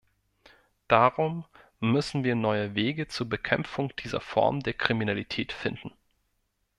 Darum müssen wir neue Wege zur Bekämpfung dieser Form der Kriminalität finden.